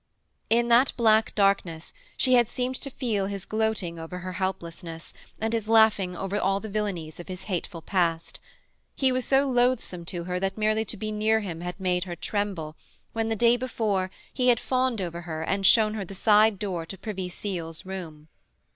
In that black darkness she had seemed to feel his gloating over her helplessness, and his laughing over all the villainies of his hateful past. He was so loathsome to her that merely to be near him had made her tremble when, the day before, he had fawned over her and shown her the side door to Privy Seal's room.